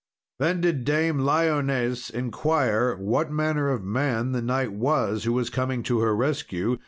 Then did Dame Lyones inquire what manner of man the knight was who was coming to her rescue.